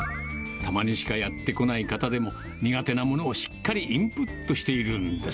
たまにしかやって来ない方でも、苦手なものをしっかりインプットしているんです。